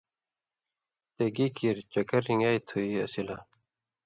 ”تے گی کیریۡ چکر رِن٘گیائ تُھو یی اسی لا!“